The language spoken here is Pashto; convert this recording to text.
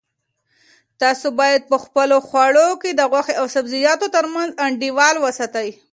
تاسو باید په خپلو خوړو کې د غوښې او سبزیجاتو ترمنځ انډول وساتئ.